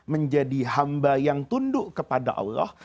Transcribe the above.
menjadi hamba yang tunduk kepada allah